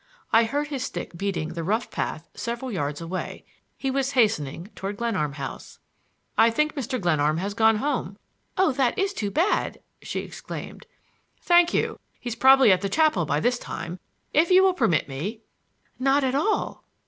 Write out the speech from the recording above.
I heard his stick beating the rough path several yards away. He was hastening toward Glenarm House. "I think Mr. Glenarm has gone home." "Oh, that is too bad!" she exclaimed. "Thank you! He's probably at the chapel by this time. If you will permit me—" "Not at all!"